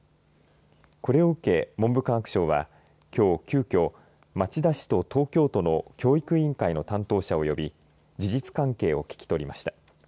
これを受け文部科学省はきょう急きょ、町田市と東京都の教育委員会の担当者を呼び事実関係を聞き取りました。